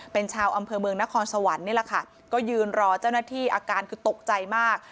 เป็นชาวอำเภอเมืองนครสวรรค์นี่แหละค่ะก็ยืนรอเจ้าหน้าที่อาการคือตกใจมาก